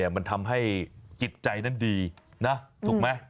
มันทำให้จิตใจดีถูกไหม